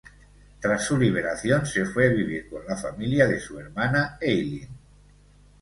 Tras su liberación se fue a vivir con la familia de su hermana Eileen.